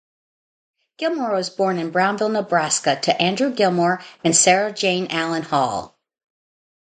Gilmore was born in Brownville, Nebraska to Andrew Gilmore and Sarah Jane Allen Hall.